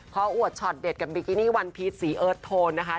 พออวดช็อตเด็ดกับบิกินี่วันพีชสีเอิร์ทโทนนะคะ